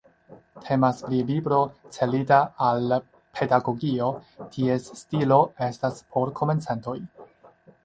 Temas pri libro celita al pedagogio, ties stilo estas por komencantoj.